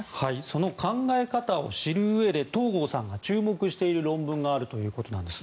その考え方を知るうえで東郷さんが注目している論文があるということです。